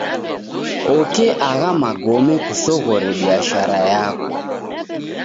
Oke agha magome kusoghore biashara yako.